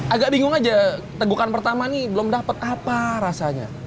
agak bingung aja tegukan pertama nih belum dapat apa rasanya